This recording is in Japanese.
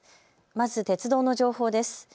まず鉄道の情報です。